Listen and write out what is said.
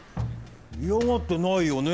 嫌がってないよね？